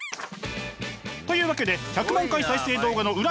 というわけで１００万回再生動画の裏側に潜入。